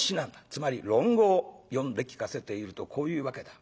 つまり論語を読んで聞かせているとこういうわけだ。